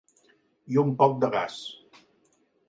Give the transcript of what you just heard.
I un poc de gas.